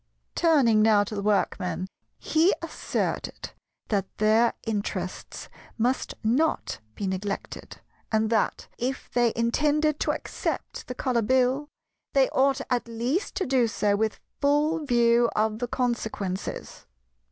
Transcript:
Turning now to the Workmen he asserted that their interests must not be neglected, and that, if they intended to accept the Colour Bill, they ought at least to do so with full view of the consequences.